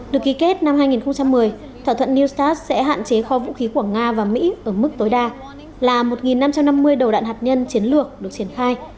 được ký kết năm hai nghìn một mươi thỏa thuận new start sẽ hạn chế kho vũ khí của nga và mỹ ở mức tối đa là một năm trăm năm mươi đầu đạn hạt nhân chiến lược được triển khai